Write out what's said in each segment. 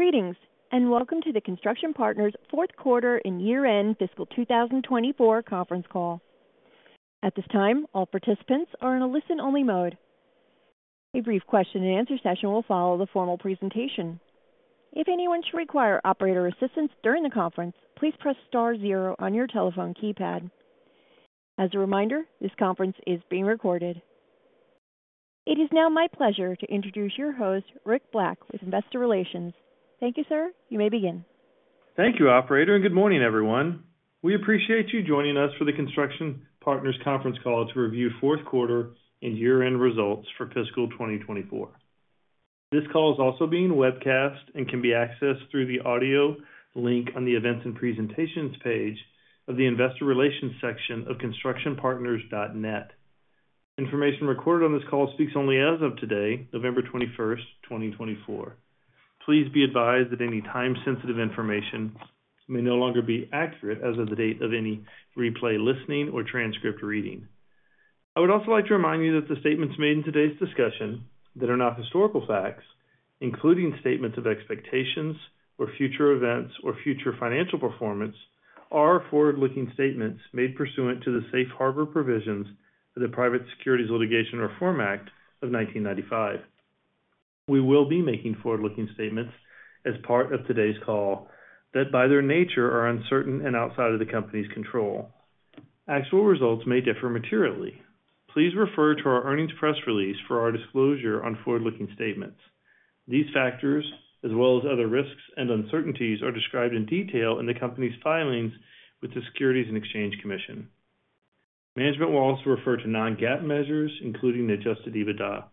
Greetings, and welcome to the Construction Partners' fourth quarter and year-end fiscal 2024 conference call. At this time, all participants are in a listen-only mode. A brief question-and-answer session will follow the formal presentation. If anyone should require operator assistance during the conference, please press star zero on your telephone keypad. As a reminder, this conference is being recorded. It is now my pleasure to introduce your host, Rick Black, with Investor Relations. Thank you, sir. You may begin. Thank you, Operator, and good morning, everyone. We appreciate you joining us for the Construction Partners conference call to review fourth quarter and year-end results for fiscal 2024. This call is also being webcast and can be accessed through the audio link on the events and presentations page of the Investor Relations section of constructionpartners.net. Information recorded on this call speaks only as of today, November 21, 2024. Please be advised that any time-sensitive information may no longer be accurate as of the date of any replay listening or transcript reading. I would also like to remind you that the statements made in today's discussion that are not historical facts, including statements of expectations or future events or future financial performance, are forward-looking statements made pursuant to the safe harbor provisions of the Private Securities Litigation Reform Act of 1995. We will be making forward-looking statements as part of today's call that, by their nature, are uncertain and outside of the company's control. Actual results may differ materially. Please refer to our earnings press release for our disclosure on forward-looking statements. These factors, as well as other risks and uncertainties, are described in detail in the company's filings with the Securities and Exchange Commission. Management will also refer to Non-GAAP measures, including Adjusted EBITDA.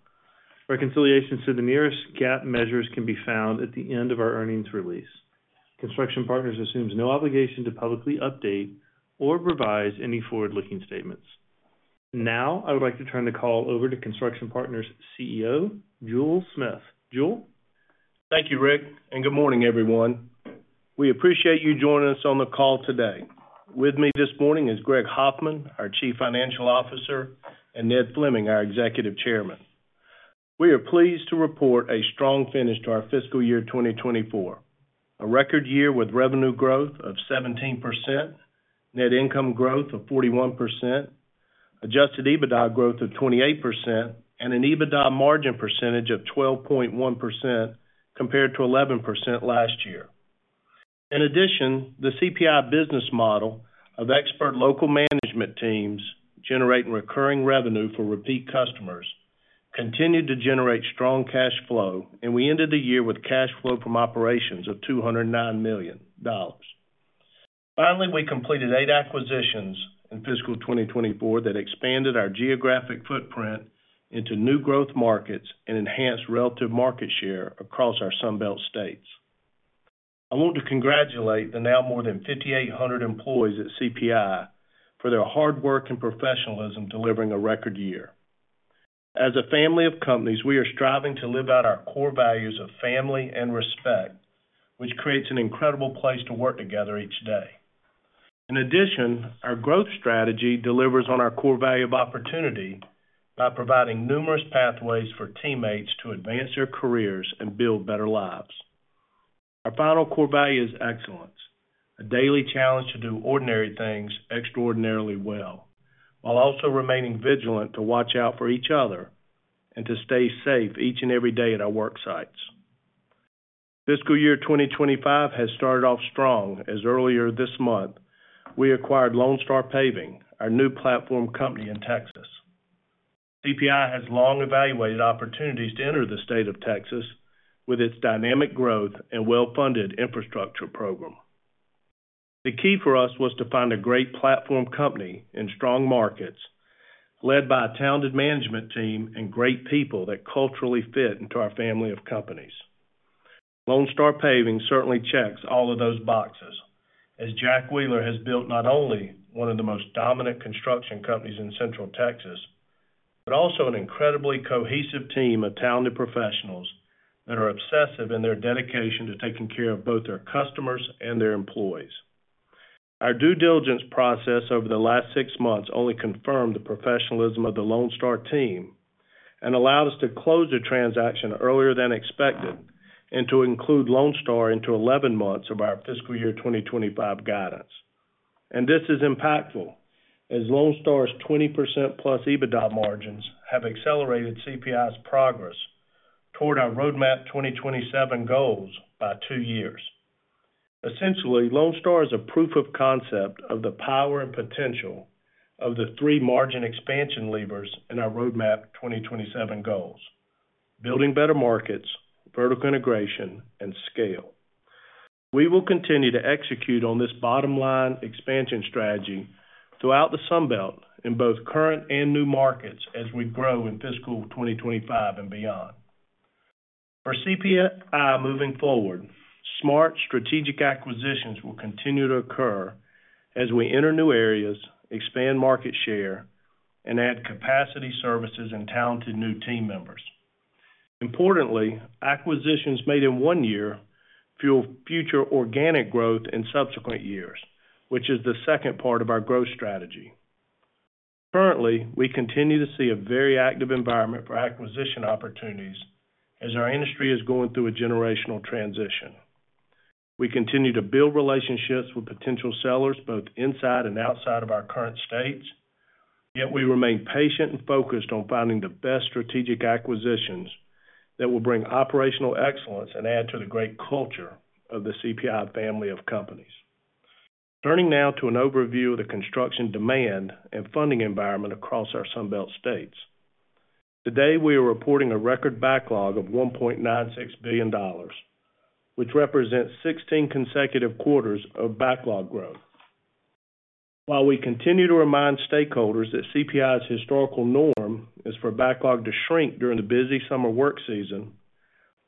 Reconciliations to the nearest GAAP measures can be found at the end of our earnings release. Construction Partners assumes no obligation to publicly update or revise any forward-looking statements. Now, I would like to turn the call over to Construction Partners CEO, Jule Smith. Jule? Thank you, Rick, and good morning, everyone. We appreciate you joining us on the call today. With me this morning is Greg Hoffman, our Chief Financial Officer, and Ned Fleming, our Executive Chairman. We are pleased to report a strong finish to our fiscal year 2024, a record year with revenue growth of 17%, net income growth of 41%, adjusted EBITDA growth of 28%, and an EBITDA margin percentage of 12.1% compared to 11% last year. In addition, the CPI business model of expert local management teams generating recurring revenue for repeat customers continued to generate strong cash flow, and we ended the year with cash flow from operations of $209 million. Finally, we completed eight acquisitions in fiscal 2024 that expanded our geographic footprint into new growth markets and enhanced relative market share across our Sunbelt states. I want to congratulate the now more than 5,800 employees at CPI for their hard work and professionalism delivering a record year. As a family of companies, we are striving to live out our core values of family and respect, which creates an incredible place to work together each day. In addition, our growth strategy delivers on our core value of opportunity by providing numerous pathways for teammates to advance their careers and build better lives. Our final core value is excellence, a daily challenge to do ordinary things extraordinarily well while also remaining vigilant to watch out for each other and to stay safe each and every day at our work sites. Fiscal year 2025 has started off strong as earlier this month we acquired Lone Star Paving, our new platform company in Texas. CPI has long evaluated opportunities to enter the state of Texas with its dynamic growth and well-funded infrastructure program. The key for us was to find a great platform company in strong markets led by a talented management team and great people that culturally fit into our family of companies. Lone Star Paving certainly checks all of those boxes as Jack Wheeler has built not only one of the most dominant construction companies in Central Texas but also an incredibly cohesive team of talented professionals that are obsessive in their dedication to taking care of both their customers and their employees. Our due diligence process over the last 6 months only confirmed the professionalism of the Lone Star team and allowed us to close the transaction earlier than expected and to include Lone Star into 11 months of our fiscal year 2025 guidance. This is impactful as Lone Star's 20% plus EBITDA margins have accelerated CPI's progress toward our Roadmap 2027 goals by two years. Essentially, Lone Star is a proof of concept of the power and potential of the three margin expansion levers in our Roadmap 2027 goals: building better markets, vertical integration, and scale. We will continue to execute on this bottom-line expansion strategy throughout the Sunbelt in both current and new markets as we grow in fiscal 2025 and beyond. For CPI moving forward, smart strategic acquisitions will continue to occur as we enter new areas, expand market share, and add capacity services and talented new team members. Importantly, acquisitions made in one year fuel future organic growth in subsequent years, which is the second part of our growth strategy. Currently, we continue to see a very active environment for acquisition opportunities as our industry is going through a generational transition. We continue to build relationships with potential sellers both inside and outside of our current states, yet we remain patient and focused on finding the best strategic acquisitions that will bring operational excellence and add to the great culture of the CPI family of companies. Turning now to an overview of the construction demand and funding environment across our Sunbelt states. Today, we are reporting a record backlog of $1.96 billion, which represents 16 consecutive quarters of backlog growth. While we continue to remind stakeholders that CPI's historical norm is for backlog to shrink during the busy summer work season,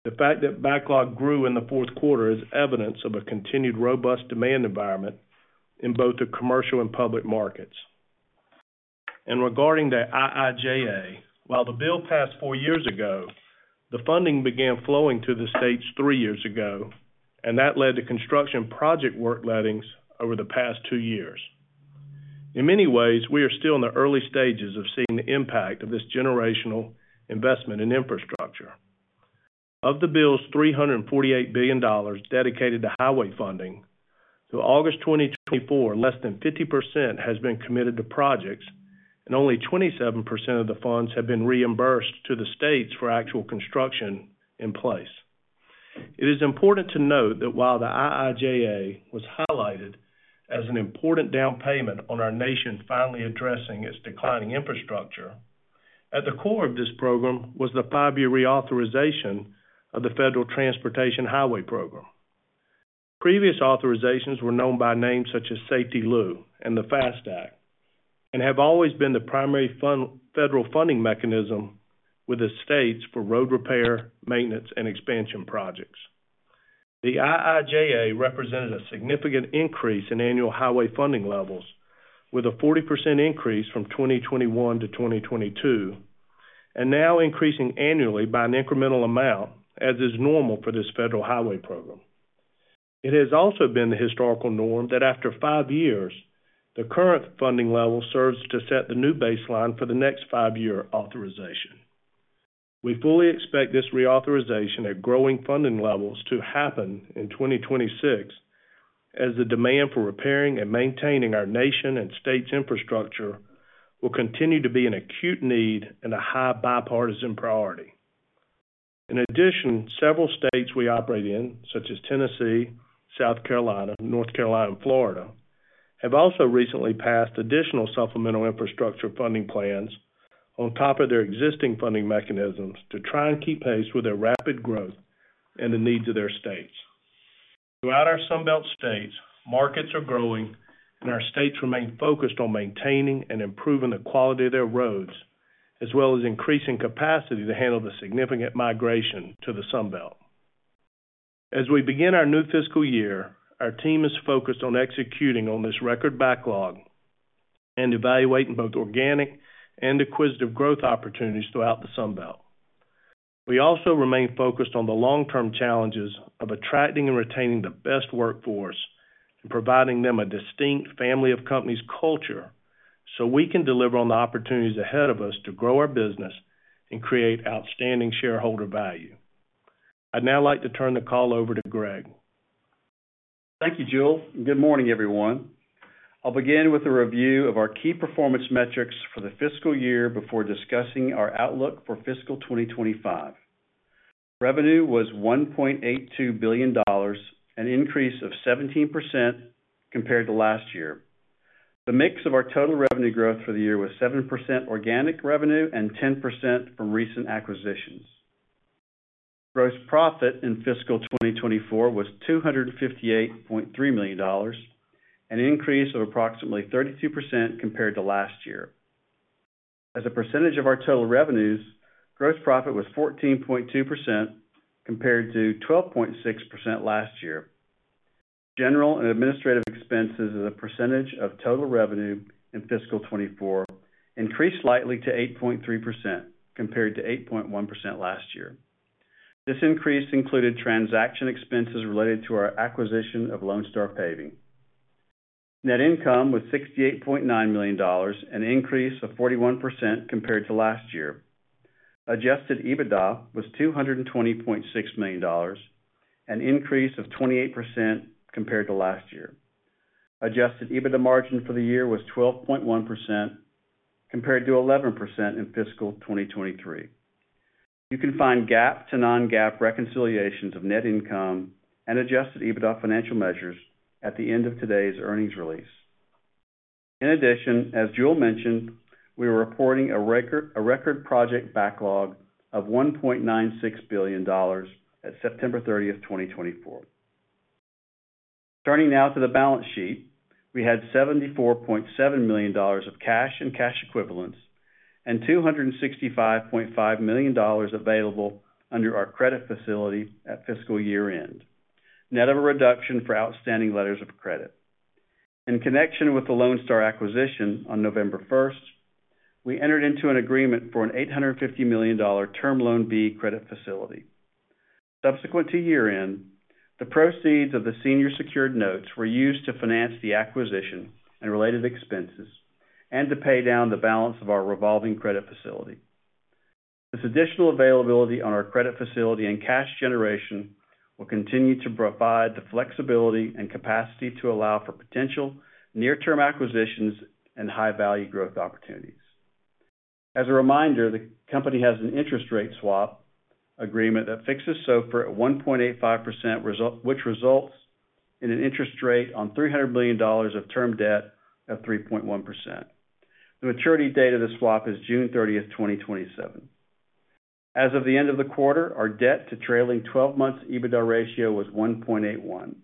the fact that backlog grew in the fourth quarter is evidence of a continued robust demand environment in both the commercial and public markets. Regarding the IIJA, while the bill passed four years ago, the funding began flowing to the states three years ago, and that led to construction project work lettings over the past two years. In many ways, we are still in the early stages of seeing the impact of this generational investment in infrastructure. Of the bill's $348 billion dedicated to highway funding, through August 2024, less than 50% has been committed to projects, and only 27% of the funds have been reimbursed to the states for actual construction in place. It is important to note that while the IIJA was highlighted as an important down payment on our nation finally addressing its declining infrastructure, at the core of this program was the five-year reauthorization of the Federal Transportation Highway Program. Previous authorizations were known by names such as Safety Loop and the FAST Act and have always been the primary federal funding mechanism with the states for road repair, maintenance, and expansion projects. The IIJA represented a significant increase in annual highway funding levels, with a 40% increase from 2021 to 2022, and now increasing annually by an incremental amount, as is normal for this federal highway program. It has also been the historical norm that after 5 years, the current funding level serves to set the new baseline for the next 5 year authorization. We fully expect this reauthorization at growing funding levels to happen in 2026 as the demand for repairing and maintaining our nation and states' infrastructure will continue to be an acute need and a high bipartisan priority. In addition, several states we operate in, such as Tennessee, South Carolina, North Carolina, and Florida, have also recently passed additional supplemental infrastructure funding plans on top of their existing funding mechanisms to try and keep pace with their rapid growth and the needs of their states. Throughout our Sunbelt states, markets are growing, and our states remain focused on maintaining and improving the quality of their roads, as well as increasing capacity to handle the significant migration to the Sunbelt. As we begin our new fiscal year, our team is focused on executing on this record backlog and evaluating both organic and acquisitive growth opportunities throughout the Sunbelt. We also remain focused on the long-term challenges of attracting and retaining the best workforce and providing them a distinct family of companies culture so we can deliver on the opportunities ahead of us to grow our business and create outstanding shareholder value. I'd now like to turn the call over to Greg. Thank you, Jule. Good morning, everyone. I'll begin with a review of our key performance metrics for the fiscal year before discussing our outlook for fiscal 2025. Revenue was $1.82 billion, an increase of 17% compared to last year. The mix of our total revenue growth for the year was 7% organic revenue and 10% from recent acquisitions. Gross profit in fiscal 2024 was $258.3 million, an increase of approximately 32% compared to last year. As a percentage of our total revenues, gross profit was 14.2% compared to 12.6% last year. General and administrative expenses as a percentage of total revenue in fiscal 2024 increased slightly to 8.3% compared to 8.1% last year. This increase included transaction expenses related to our acquisition of Lone Star Paving. Net income was $68.9 million, an increase of 41% compared to last year. Adjusted EBITDA was $220.6 million, an increase of 28% compared to last year. Adjusted EBITDA margin for the year was 12.1% compared to 11% in fiscal 2023. You can find GAAP to non-GAAP reconciliations of net income and adjusted EBITDA financial measures at the end of today's earnings release. In addition, as Jule mentioned, we were reporting a record project backlog of $1.96 billion at September 30, 2024. Turning now to the balance sheet, we had $74.7 million of cash and cash equivalents and $265.5 million available under our credit facility at fiscal year-end, net of a reduction for outstanding letters of credit. In connection with the Lone Star acquisition on November 1st, we entered into an agreement for an $850 million term loan B credit facility. Subsequent to year-end, the proceeds of the senior secured notes were used to finance the acquisition and related expenses and to pay down the balance of our revolving credit facility. This additional availability on our credit facility and cash generation will continue to provide the flexibility and capacity to allow for potential near-term acquisitions and high-value growth opportunities. As a reminder, the company has an interest rate swap agreement that fixes SOFR at 1.85%, which results in an interest rate on $300 million of term debt of 3.1%. The maturity date of the swap is June 30, 2027. As of the end of the quarter, our debt-to-trailing 12-month EBITDA ratio was 1.81.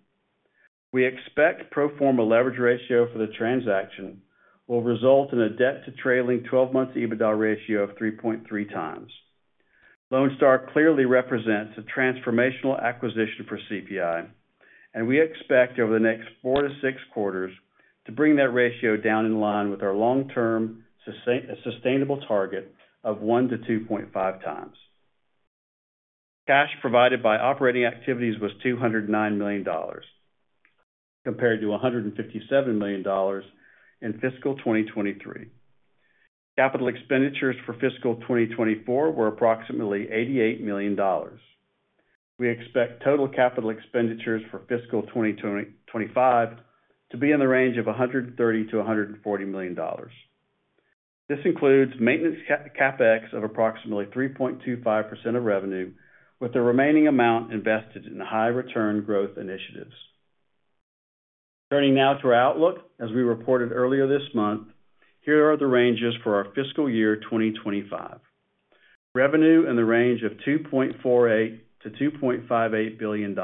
We expect pro forma leverage ratio for the transaction will result in a debt-to-trailing 12-month EBITDA ratio of 3.3 times. Lone Star clearly represents a transformational acquisition for CPI, and we expect over the next four to six quarters to bring that ratio down in line with our long-term sustainable target of 1 to 2.5 times. Cash provided by operating activities was $209 million compared to $157 million in fiscal 2023. Capital expenditures for fiscal 2024 were approximately $88 million. We expect total capital expenditures for fiscal 2025 to be in the range of $130-$140 million. This includes maintenance CapEx of approximately 3.25% of revenue, with the remaining amount invested in high-return growth initiatives. Turning now to our outlook, as we reported earlier this month, here are the ranges for our fiscal year 2025. Revenue in the range of $2.48-$2.58 billion.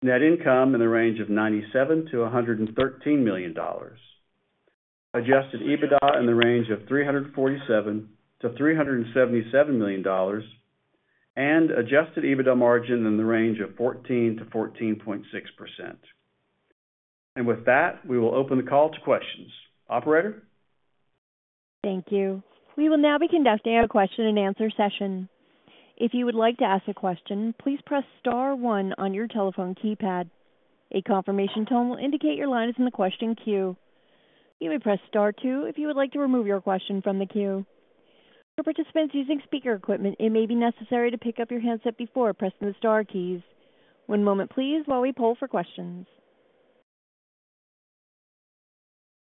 Net income in the range of $97-$113 million. Adjusted EBITDA in the range of $347-$377 million. Adjusted EBITDA margin in the range of 14%-14.6%. With that, we will open the call to questions. Operator? Thank you. We will now be conducting a question-and-answer session. If you would like to ask a question, please press Star 1 on your telephone keypad. A confirmation tone will indicate your line is in the question queue. You may press Star 2 if you would like to remove your question from the queue. For participants using speaker equipment, it may be necessary to pick up your handset before pressing the Star keys. One moment, please, while we pull for questions.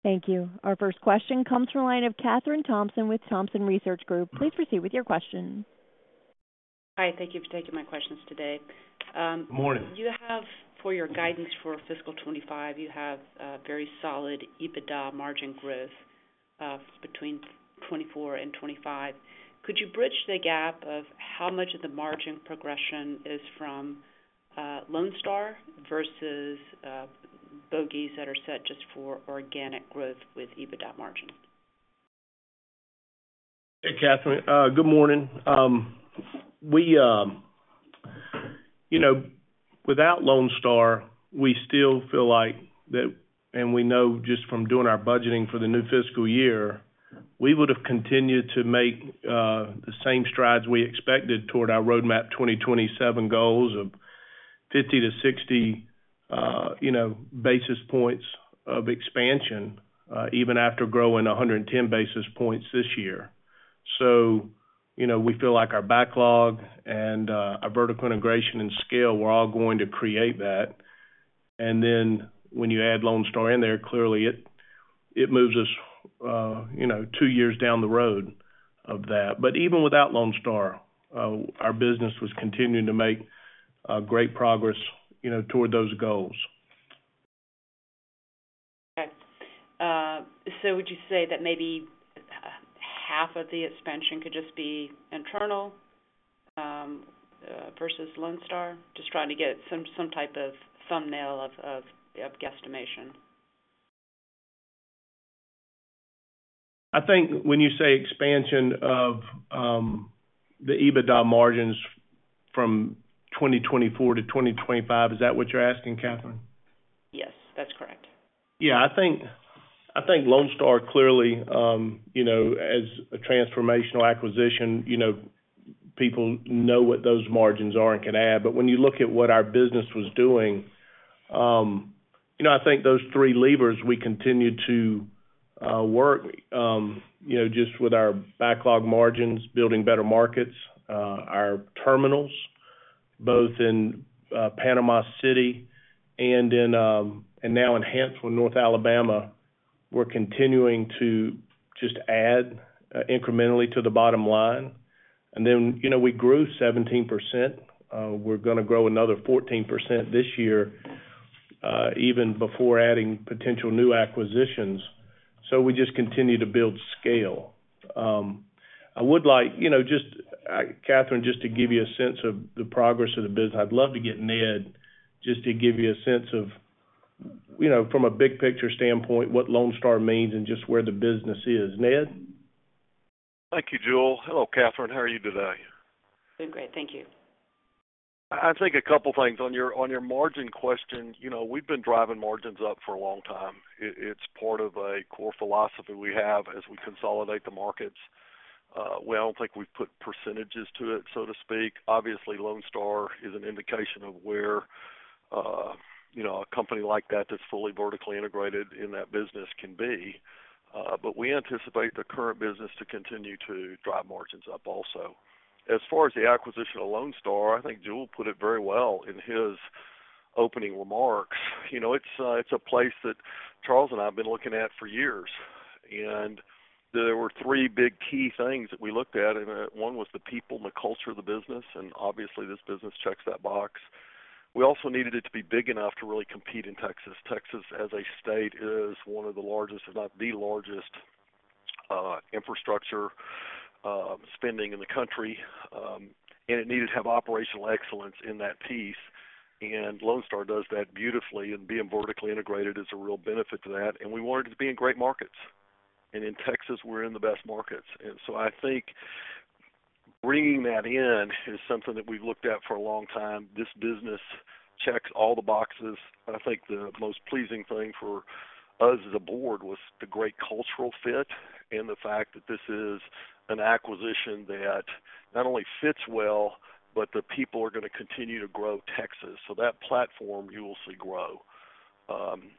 Thank you. Our first question comes from a line of Katherine Thompson with Thompson Research Group. Please proceed with your question. Hi. Thank you for taking my questions today. Good morning. You have, for your guidance for fiscal 2025, you have very solid EBITDA margin growth between 2024 and 2025. Could you bridge the gap of how much of the margin progression is from Lone Star versus bogeys that are set just for organic growth with EBITDA margin? Hey, Katherine. Good morning. Without Lone Star, we still feel like that, and we know just from doing our budgeting for the new fiscal year, we would have continued to make the same strides we expected toward our Roadmap 2027 goals of 50 to 60 basis points of expansion, even after growing 110 basis points this year. So we feel like our backlog and our vertical integration and scale were all going to create that. And then when you add Lone Star in there, clearly it moves us 2 years down the road of that. But even without Lone Star, our business was continuing to make great progress toward those goals. Okay, so would you say that maybe half of the expansion could just be internal versus Lone Star? Just trying to get some type of thumbnail of guesstimation. I think when you say expansion of the EBITDA margins from 2024 to 2025, is that what you're asking, Katherine? Yes, that's correct. Yeah. I think Lone Star clearly, as a transformational acquisition, people know what those margins are and can add. But when you look at what our business was doing, I think those three levers we continued to work just with our backlog margins, building better markets, our terminals, both in Panama City and now in Hampshire and North Alabama, we're continuing to just add incrementally to the bottom line. And then we grew 17%. We're going to grow another 14% this year, even before adding potential new acquisitions. So we just continue to build scale. I would like, just Katherine, just to give you a sense of the progress of the business. I'd love to get Ned just to give you a sense of, from a big-picture standpoint, what Lone Star means and just where the business is. Ned? Thank you, Jule. Hello, Katherine. How are you today? Doing great. Thank you. I think a couple of things. On your margin question, we've been driving margins up for a long time. It's part of a core philosophy we have as we consolidate the markets. We don't think we've put percentages to it, so to speak. Obviously, Lone Star is an indication of where a company like that that's fully vertically integrated in that business can be. But we anticipate the current business to continue to drive margins up also. As far as the acquisition of Lone Star, I think Jule put it very well in his opening remarks. It's a place that Charles and I have been looking at for years. And there were three big key things that we looked at. And one was the people and the culture of the business. And obviously, this business checks that box. We also needed it to be big enough to really compete in Texas. Texas, as a state, is one of the largest, if not the largest, infrastructure spending in the country, and it needed to have operational excellence in that piece. And Lone Star does that beautifully. And being vertically integrated is a real benefit to that. And we wanted to be in great markets. And in Texas, we're in the best markets, and so I think bringing that in is something that we've looked at for a long time. This business checks all the boxes. I think the most pleasing thing for us as a board was the great cultural fit and the fact that this is an acquisition that not only fits well, but the people are going to continue to grow Texas, so that platform, you will see grow.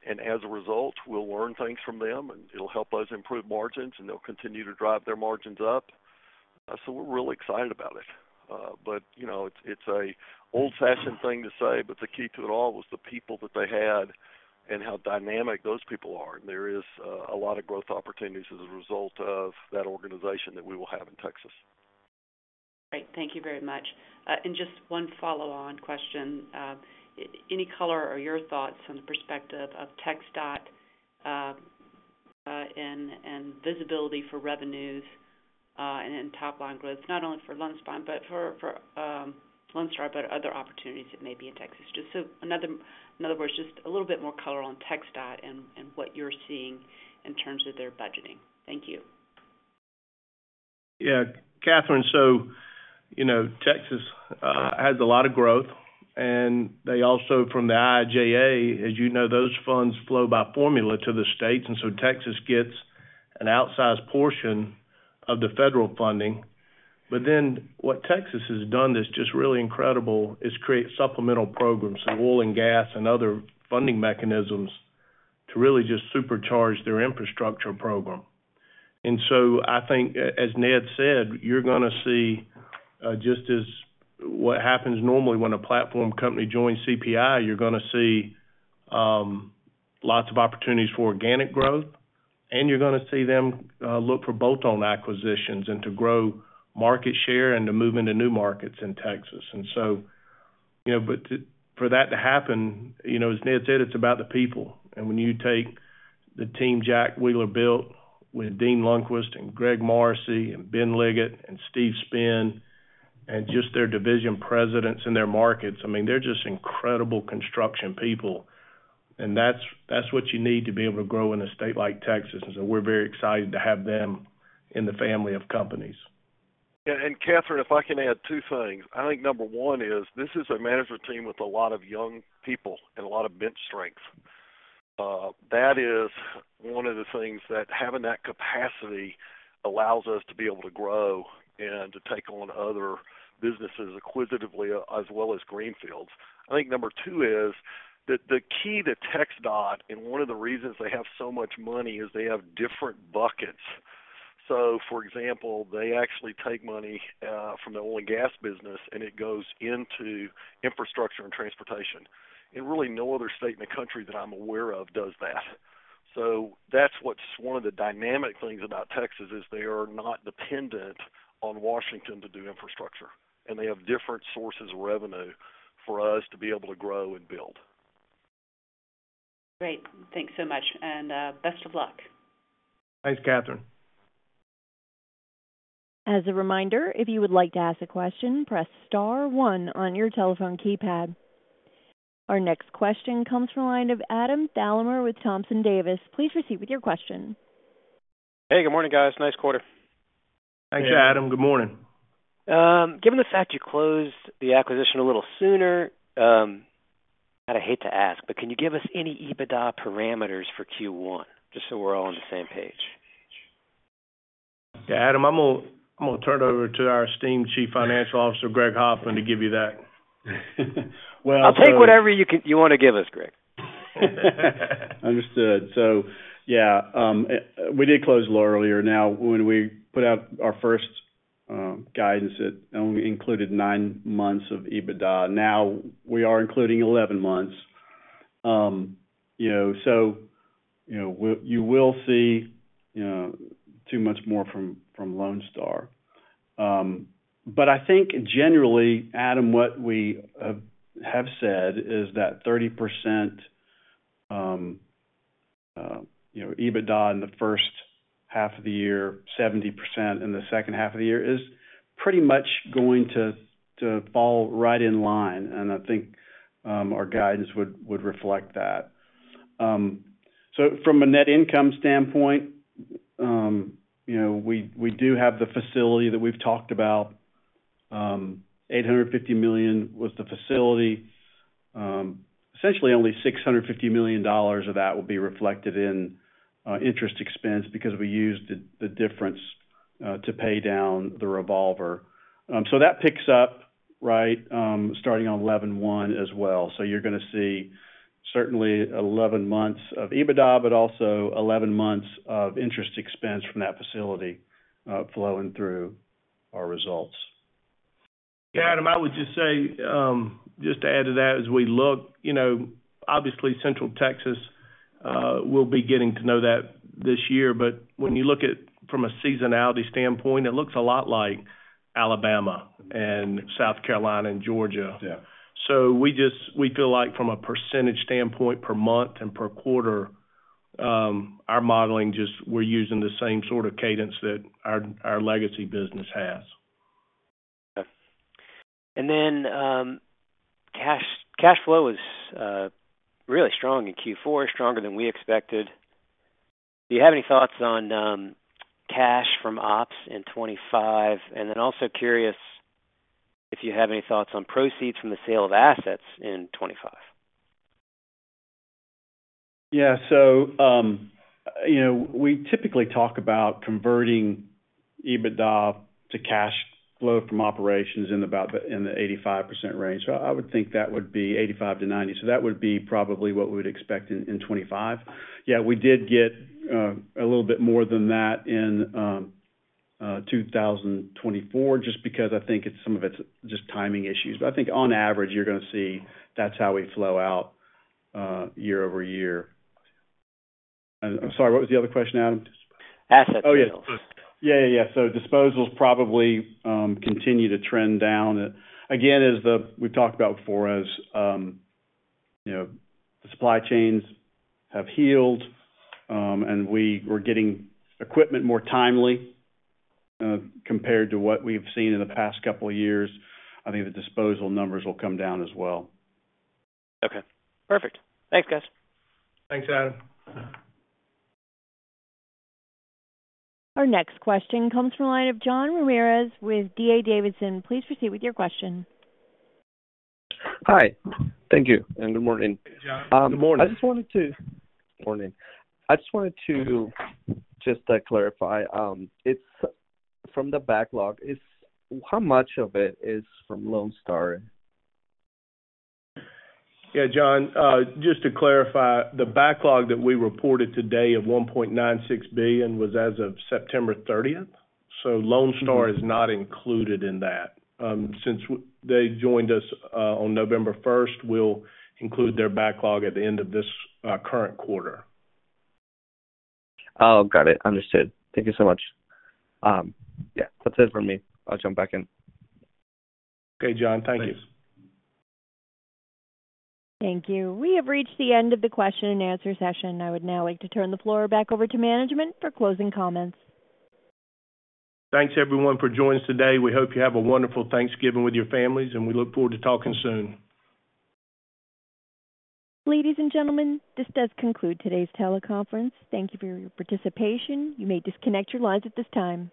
And as a result, we'll learn things from them, and it'll help us improve margins, and they'll continue to drive their margins up. So we're really excited about it. But it's an old-fashioned thing to say, but the key to it all was the people that they had and how dynamic those people are. And there is a lot of growth opportunities as a result of that organization that we will have in Texas. Great. Thank you very much, and just one follow-on question. Any color or your thoughts on the perspective of TxDOT and visibility for revenues and top-line growth, not only for Lone Star, but other opportunities that may be in Texas? Just in other words, just a little bit more color on TxDOT and what you're seeing in terms of their budgeting. Thank you. Yeah. Katherine, so Texas has a lot of growth. And they also, from the IIJA, as you know, those funds flow by formula to the states. And so Texas gets an outsized portion of the federal funding. But then what Texas has done that's just really incredible is create supplemental programs, so oil and gas and other funding mechanisms to really just supercharge their infrastructure program. And so I think, as Ned said, you're going to see just as what happens normally when a platform company joins CPI, you're going to see lots of opportunities for organic growth, and you're going to see them look for bolt-on acquisitions and to grow market share and to move into new markets in Texas. And so for that to happen, as Ned said, it's about the people. And when you take the team Jack Wheeler built with Dean Lundquist and Greg Morrissey and Ben Liggett and Steve Spinn and just their division presidents and their markets, I mean, they're just incredible construction people. And that's what you need to be able to grow in a state like Texas. And so we're very excited to have them in the family of companies. Katherine, if I can add two things. I think number one is this is a management team with a lot of young people and a lot of bench strength. That is one of the things that having that capacity allows us to be able to grow and to take on other businesses acquisitively as well as greenfields. I think number two is the key to TxDOT, and one of the reasons they have so much money is they have different buckets. So for example, they actually take money from the oil and gas business, and it goes into infrastructure and transportation. And really, no other state in the country that I'm aware of does that. So that's what one of the dynamic things about Texas is they are not dependent on Washington to do infrastructure. They have different sources of revenue for us to be able to grow and build. Great. Thanks so much. And best of luck. Thanks, Katherine. As a reminder, if you would like to ask a question, press Star 1 on your telephone keypad. Our next question comes from a line of Adam Thalhimer with Thompson Davis. Please proceed with your question. Hey, good morning, guys. Nice quarter. Thanks, Adam. Good morning. Given the fact you closed the acquisition a little sooner, I'd hate to ask, but can you give us any EBITDA parameters for Q1, just so we're all on the same page? Yeah, Adam, I'm going to turn it over to our esteemed Chief Financial Officer, Greg Hoffman, to give you that. I'll take whatever you want to give us, Greg. Understood. So yeah, we did close, though, earlier. Now, when we put out our first guidance, it only included nine months of EBITDA. Now we are including 11 months. So you will see two months more from Lone Star. But I think generally, Adam, what we have said is that 30% EBITDA in the first half of the year, 70% in the second half of the year is pretty much going to fall right in line. And I think our guidance would reflect that. So from a net income standpoint, we do have the facility that we've talked about. $850 million was the facility. Essentially, only $650 million of that will be reflected in interest expense because we used the difference to pay down the revolver. So that picks up, right, starting on 11/01 as well. So, you're going to see certainly 11 months of EBITDA, but also 11 months of interest expense from that facility flowing through our results. Yeah, Adam, I would just say, just to add to that, as we look, obviously, Central Texas will be getting to know that this year. But when you look at it from a seasonality standpoint, it looks a lot like Alabama and South Carolina and Georgia. So we feel like from a percentage standpoint per month and per quarter, our modeling just we're using the same sort of cadence that our legacy business has. Okay, and then cash flow is really strong in Q4, stronger than we expected. Do you have any thoughts on cash from ops in 2025? And then, also curious if you have any thoughts on proceeds from the sale of assets in 2025. Yeah. So we typically talk about converting EBITDA to cash flow from operations in the 85% range. So I would think that would be 85%-90%. So that would be probably what we would expect in 2025. Yeah, we did get a little bit more than that in 2024 just because I think some of it's just timing issues. But I think on average, you're going to see that's how we flow out year over year. I'm sorry, what was the other question, Adam? Assets. Oh, yeah. Yeah, yeah, yeah. So disposals probably continue to trend down. Again, as we've talked about before, as the supply chains have healed and we were getting equipment more timely compared to what we've seen in the past couple of years, I think the disposal numbers will come down as well. Okay. Perfect. Thanks, guys. Thanks, Adam. Our next question comes from a line of Jean Ramirez with D.A. Davidson. Please proceed with your question. Hi. Thank you, and good morning. Good morning. Morning. I just wanted to clarify. From the backlog, how much of it is from Lone Star? Yeah, John, just to clarify, the backlog that we reported today of $1.96 billion was as of September 30th. So Lone Star is not included in that. Since they joined us on November 1st, we'll include their backlog at the end of this current quarter. Oh, got it. Understood. Thank you so much. Yeah, that's it for me. I'll jump back in. Okay, John. Thank you. Thank you. We have reached the end of the question and answer session. I would now like to turn the floor back over to management for closing comments. Thanks, everyone, for joining us today. We hope you have a wonderful Thanksgiving with your families, and we look forward to talking soon. Ladies and gentlemen, this does conclude today's teleconference. Thank you for your participation. You may disconnect your lines at this time.